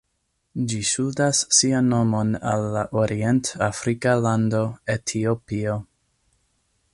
Ĝi ŝuldas sian nomon al la orient-afrika lando Etiopio.